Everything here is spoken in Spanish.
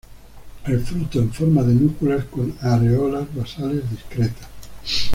El fruto en forma de núculas con areolas basales discretas.